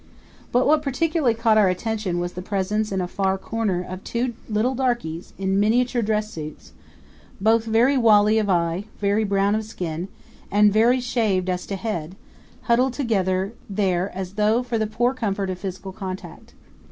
But what particularly caught our attention was the presence in a far corner of two little darkies in miniature dress suits, both very wally of eye, very brown of skin, and very shaved as to head, huddled together there as though for the poor comfort of physical contact.